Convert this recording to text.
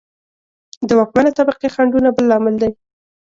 د واکمنې طبقې خنډونه بل لامل دی